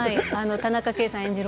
田中圭さん演じる